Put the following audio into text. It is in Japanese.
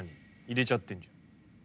入れちゃってんじゃん。